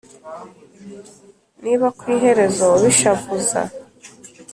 Niba ku iherezo bishavuza